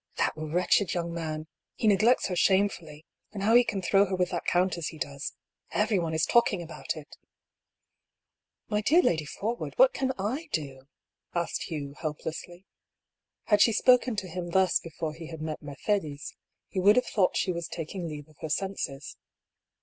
That wretched young man! He neglects her shamefully; and how he can throw her with that count as he does — everyone is talking about it 1 "" My dear Lady Forwood, what can / do ?" asked Hugh, helplessly. Had she spoken to him thus before he had met Mercedes, he would have thought she was taking leave of her senses.